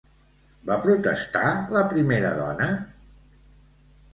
Va protestar, la primera dona?